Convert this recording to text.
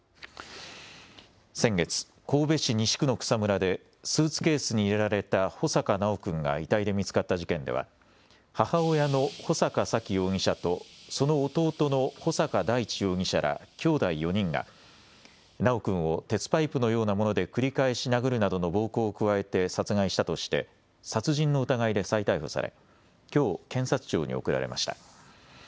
先月、神戸市西区の草むらで、スーツケースに入れられた穂坂修くんが遺体で見つかった事件では、母親の穂坂沙喜容疑者とその弟の穂坂大地容疑者ら、きょうだい４人が、修くんを鉄パイプのようなもので繰り返し殴るなどの暴行を加えて殺害したとして、殺人の疑いで再逮捕され、きょう、検察庁に送られました。